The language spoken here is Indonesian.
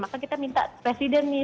maka kita minta presiden nih